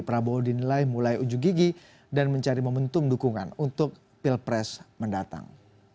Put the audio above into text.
prabowo dinilai mulai ujung gigi dan mencari momentum dukungan untuk pilpres mendatang